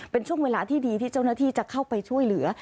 เป็นช่วงเวลาที่ดีที่เจ้าหน้าที่จะเข้าไปช่วยเหลือ